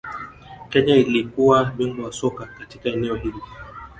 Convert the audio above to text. Kenya ilikuwa bingwa wa soka katika eneo hili